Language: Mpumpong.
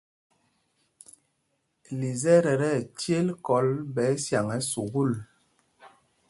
Lisɛt ɛ tí ɛcěl kɔl ɓɛ ɛsyaŋ ɛ́ sukûl.